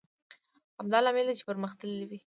همدا لامل دی چې پرمختللی وي.